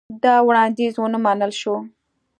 دا وړاندیز ونه منل شو.